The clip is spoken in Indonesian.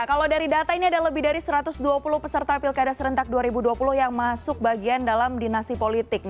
kalau dari data ini ada lebih dari satu ratus dua puluh peserta pilkada serentak dua ribu dua puluh yang masuk bagian dalam dinasti politik